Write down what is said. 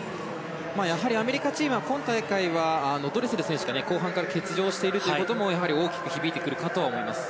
アメリカチームは今大会はドレセル選手が後半から欠場しているということも大きく響いてくると思います。